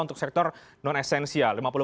untuk sektor non esensial